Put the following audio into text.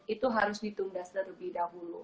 itu harus ditunda terlebih dahulu